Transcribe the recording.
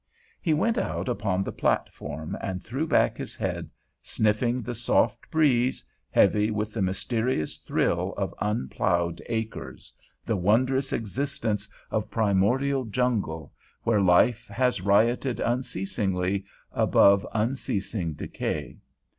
He went out upon the platform and threw back his head, sniffing the soft breeze, heavy with the mysterious thrill of unplowed acres, the wondrous existence of primordial jungle, where life has rioted unceasingly above unceasing decay.